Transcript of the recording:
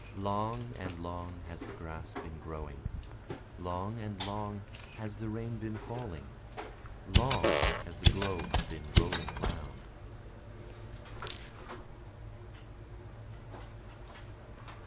Long and long has the grass been growing, Long and long has the rain been falling, Long has the globe been rolling round.